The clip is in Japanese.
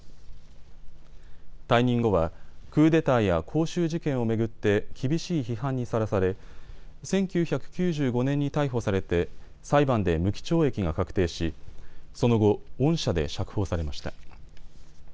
退任後はクーデターや光州事件を巡って厳しい批判にさらされ１９９５年に逮捕されて裁判で無期懲役が確定しその後、恩赦で釈放されました。